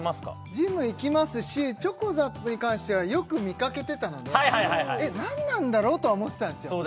ジム行きますしｃｈｏｃｏＺＡＰに関してはよく見かけてたのでえっ何なんだろう？とは思ってたんですよ